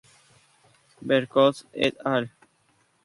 Ver Cox "et al.